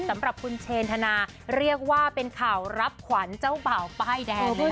สำหรับคุณเชนธนาเรียกว่าเป็นข่าวรับขวัญเจ้าบ่าวป้ายแดงเลย